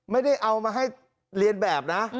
ไม่ได้เอามาให้เรียนแบบนะ